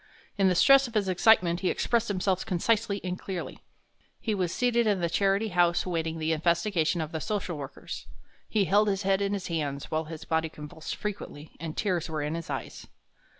In the stress of his excitement he expressed himself concisely and clearly. He was seated in the Charity House awaiting the investigation of the social workers. He held his head in his hands, while his body convulsed frequently, and tears were in his eyes.